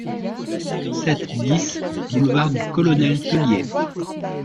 sept BIS boulevard du Colonel Teulié